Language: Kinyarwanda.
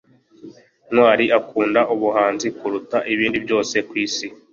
ntwali akunda ubuhanzi kuruta ibindi byose kwisi